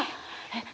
え！